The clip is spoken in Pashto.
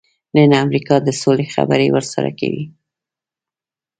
نن امریکا د سولې خبرې ورسره کوي.